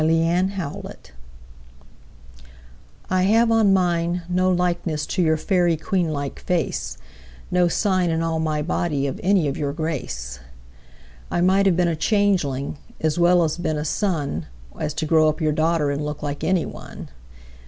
Resemblance I HAVE on mine no likenessTo your fairy queenlike face, No sign in all my bodyOf any of your grace.I might have been a changeling, As well have been a son, As to grow up your daughterAnd look like anyone.